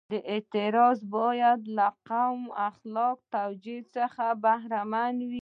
دا اعتراض باید له قوي اخلاقي توجیه څخه برخمن وي.